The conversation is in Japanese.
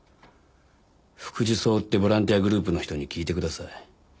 福寿草っていうボランティアグループの人に聞いてください。